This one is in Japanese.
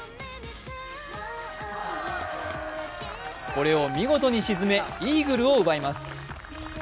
これを見事に沈めイーグルを奪います。